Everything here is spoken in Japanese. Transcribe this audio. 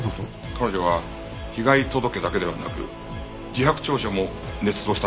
彼女は被害届だけではなく自白調書も捏造したのかもしれません。